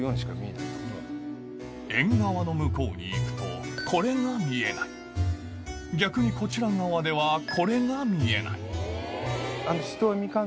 縁側の向こうに行くとこれが見えない逆にこちら側ではこれが見えない